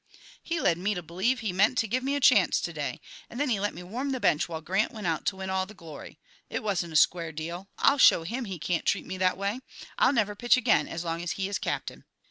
"He led me to believe he meant to give me a chance to day, and then he let me warm the bench while Grant went out to win all the glory. It wasn't a square deal. I'll show him he can't treat me that way! I'll never pitch again as long as he is captain."